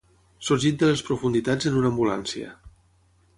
Sorgit de les profunditats en una ambulància.